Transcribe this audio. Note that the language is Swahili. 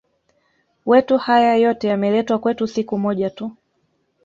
wetu haya yote yameletwa kwetu siku moja tu